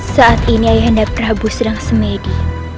saat ini yanda prabu sedang semedi